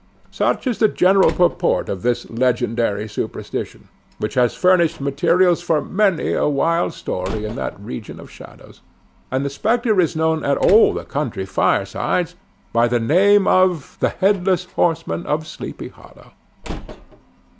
Such is the general purport of this legendary superstition, which has furnished materials for many a wild story in that region of shadows; and the spectre is known at all the country firesides, by the name of the Headless Horseman of Sleepy Hollow.